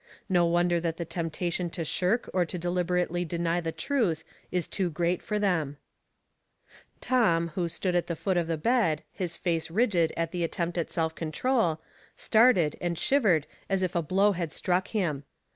No wonder that the temptation to shirk or to deliberately deny the truth is too great for them. 80 Household Puzzles, Tom, who stood at the foot of the bed, his face rigid at the attempt at self control, started and shivered as if a blow had struck him.